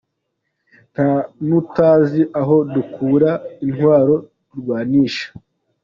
Nta n’utazi aho dukura intwaro turwanisha.